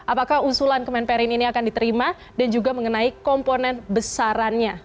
apakah usulan kemenperin ini akan diterima dan juga mengenai komponen besarannya